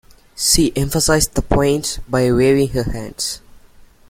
She emphasised the point by waving her hands.